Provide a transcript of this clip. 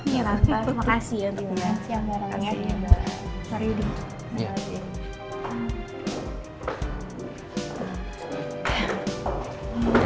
terima kasih untuk siang barengnya mari udi